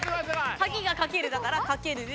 鍵が掛けるだから掛けるで。